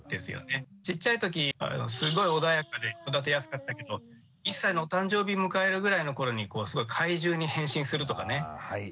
ちっちゃい時すごい穏やかで育てやすかったけど１歳のお誕生日迎えるぐらいの頃にすごい怪獣に変身するとかね。